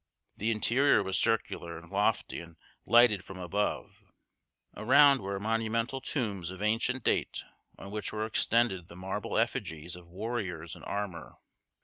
The interior was circular and lofty and lighted from above. Around were monumental tombs of ancient date on which were extended the marble effigies of warriors in armor.